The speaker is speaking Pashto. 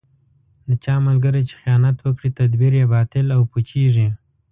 د چا ملګری چې خیانت وکړي، تدبیر یې باطل او پوچېـږي.